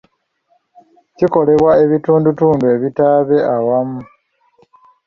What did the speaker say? kikolebwa ebitundutundu ebitabe awamu